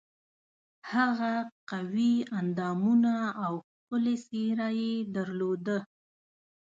هغه قوي اندامونه او ښکلې څېره یې درلوده.